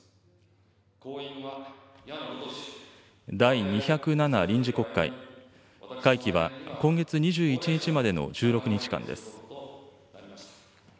第２０７臨時国会、会期は今月２１日までの１６日間です。